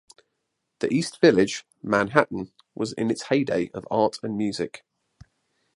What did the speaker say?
The East Village, Manhattan was in its heyday of art and music.